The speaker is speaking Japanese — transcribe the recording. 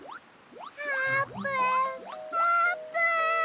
あーぷんあーぷん！